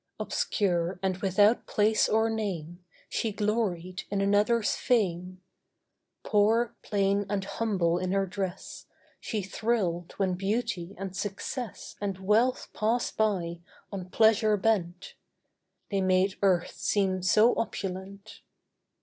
Obscure and without place or name, She gloried in another's fame. Poor, plain and humble in her dress, She thrilled when beauty and success And wealth passed by, on pleasure bent; They made earth seem so opulent.